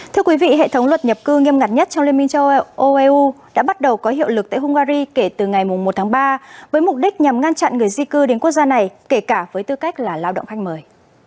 thưa quý vị hệ thống luật nhập cư nghiêm ngặt nhất trong liên minh châu âu đã bắt đầu có hiệu lực tại hungary kể từ ngày một tháng ba với mục đích nhằm ngăn chặn người di cư đến quốc gia này kể cả với tư cách là lao động khách mời